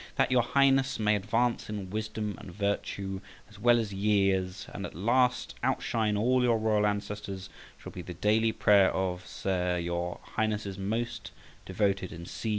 That your Highness may advance in wisdom and virtue, as well as years, and at last outshine all your royal ancestors, shall be the daily prayer of, SIR, Your Highness's most devoted, &c.